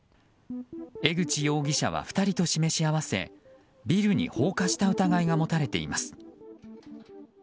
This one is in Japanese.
江口容疑者は２人と示し合わせビルに放火した疑いが持たれています。